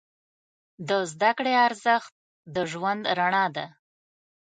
د زده کړې ارزښت د ژوند رڼا ده.